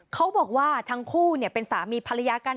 เขาบอกว่าทั้งคู่เป็นสามีภรรยากัน